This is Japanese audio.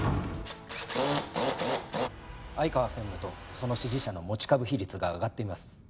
相川専務とその支持者の持ち株比率が上がっています。